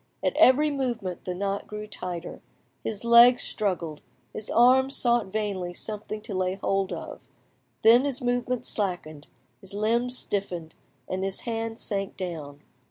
At every movement the knot grew tighter, his legs struggled, his arms sought vainly something to lay hold of; then his movements slackened, his limbs stiffened, and his hands sank down.